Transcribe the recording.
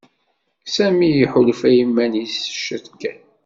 Sami iḥulfa i yiman-is ciṭ kan.